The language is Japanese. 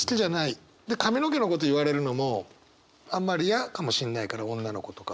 で髪の毛のこと言われるのもあんまり嫌かもしれないから女の子とか。